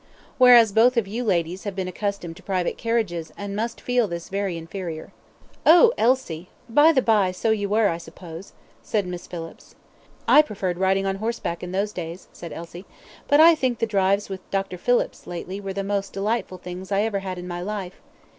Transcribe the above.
Whereas both of you ladies have been accustomed to private carriages, and must feel this very inferior." "Oh, Alice! by the by, so you were, I suppose," said Miss Phillips. "I preferred riding on horseback in those days," said Elsie; "but I think the drives with Dr. Phillips, lately, were the most delightful things I ever had in my life.